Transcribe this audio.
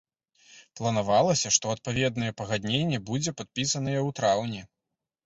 Планавалася, што адпаведнае пагадненне будзе падпісанае ў траўні.